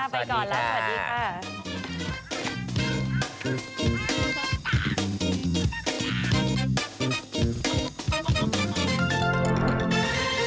ไปก่อนแล้วสวัสดีค่ะสวัสดีค่ะสวัสดีค่ะ